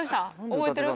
覚えてる？